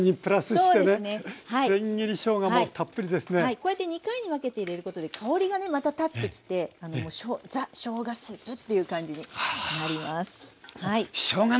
こうやって２回に分けて入れることで香りがねまた立ってきてザ・しょうがスープっていう感じになります。